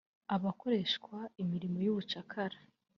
abakoreshwa imirimo y’ubucakara